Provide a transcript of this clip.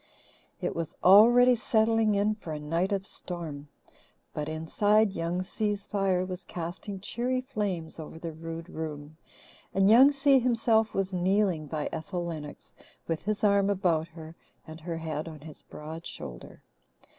It was already settling in for a night of storm. But, inside, Young Si's fire was casting cheery flames over the rude room, and Young Si himself was kneeling by Ethel Lennox with his arm about her and her head on his broad shoulder.